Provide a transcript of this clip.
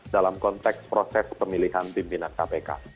dalam konteks proses pemilihan pimpinan kpk